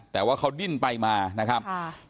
แต่ว่าเขาดิ้นไปมานะครับ